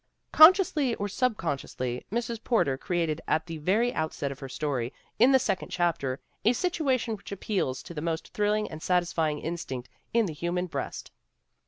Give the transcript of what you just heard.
Con sciously or subconsciously Mrs. Porter created at the very outset of her story, in the second chapter, a sit uation which appeals to the most thrilling and satis fying instinct in the human breast.